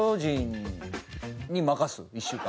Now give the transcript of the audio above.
１週間。